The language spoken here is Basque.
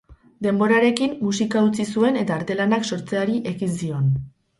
Denborarekin musika utzi zuen eta artelanak sortzeari ekin zion.